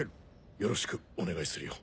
よろしくお願いするよ。